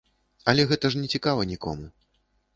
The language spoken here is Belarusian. Але гэта ж нецікава нікому.